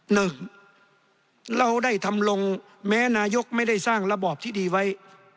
หนึ่งเราได้ทำลงแม้นายกไม่ได้สร้างระบอบที่ดีไว้